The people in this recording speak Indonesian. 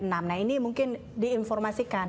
nah ini mungkin diinformasikan